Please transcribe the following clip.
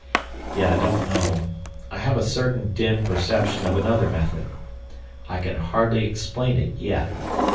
Yet I don't know. I have a certain dim perception of another method. I can hardly explain it yet.